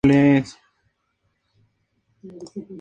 El parque se presenta sobre todo en estilo mexicano.